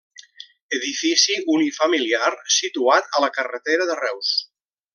Edifici unifamiliar situat a la carretera de Reus.